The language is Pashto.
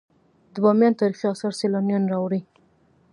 د بامیان تاریخي اثار سیلانیان راوړي